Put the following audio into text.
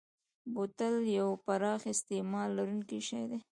بوتل یو پراخ استعمال لرونکی شی دی.